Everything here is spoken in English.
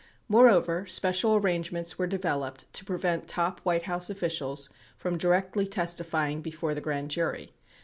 20 Moreover, special arrangements were developed to prevent top White House officials from directly testifying before the grand jury.